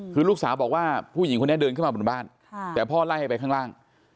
คือลูกสาวบอกว่าผู้หญิงคนนี้เดินขึ้นมาบนบ้านแต่พ่อไล่ไปข้างล่าง